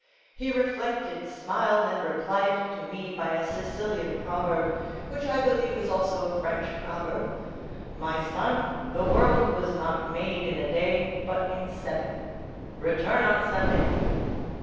He reflected, smiled, and replied to me by a Sicilian proverb, which I believe is also a French proverb, 'My son, the world was not made in a day—but in seven. Return on Sunday.